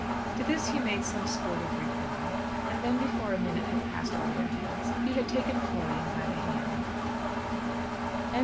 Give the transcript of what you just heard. To this he made some sportive reply, and then before a minute had passed over their heads he had taken Florian by the hand.